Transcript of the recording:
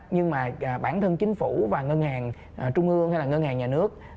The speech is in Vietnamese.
nhưng mà bản thân chính phủ và ngân hàng trung ương hay là ngân hàng nhà nước